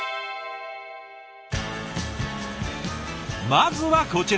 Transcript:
まずはこちら。